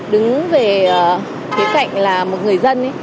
đứng về cái cạnh là một người dân